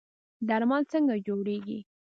درمل څنګه جوړیږي؟